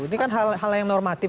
ini kan hal hal yang normatif